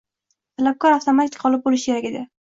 Talabgor avtomatik gʻolib boʻlishi kerak edi.